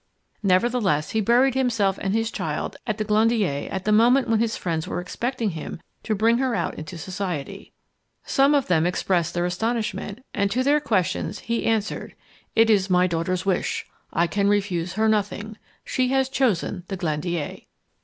Nevertheless, he buried himself and his child at the Glandier at the moment when his friends were expecting him to bring her out into society. Some of them expressed their astonishment, and to their questions he answered: "It is my daughter's wish. I can refuse her nothing. She has chosen the Glandier."